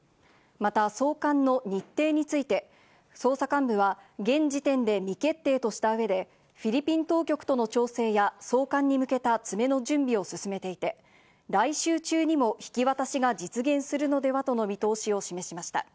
また送還の日程について、捜査幹部は現時点で未決定とした上で、フィリピン当局との調整や送還に向けた詰めの準備を進めていて、来週中にも引き渡しが実現するのではとの見通しを示しました。